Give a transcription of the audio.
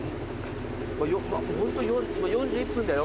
ホント４１分だよ。